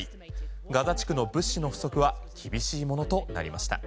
ガザ地区の物資の不足は厳しいものとなりました。